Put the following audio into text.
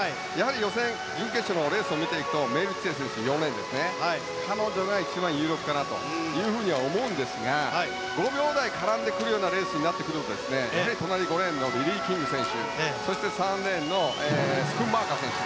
予選、準決勝のレースを見るとメイルティテ選手、４レーン彼女が一番有力かなとは思うんですが５秒台絡んでくるようなレースになってくるとやはり５レーンのリリー・キング選手そして３レーンのスクンマーカー選手